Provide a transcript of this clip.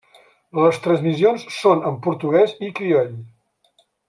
Les transmissions són en portuguès i crioll.